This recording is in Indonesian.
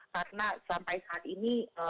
karena sampai saat ini masih ada penyelidikan